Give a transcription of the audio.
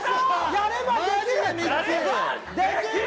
やればできる！